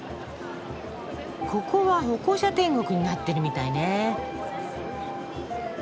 ここは歩行者天国になってるみたいね。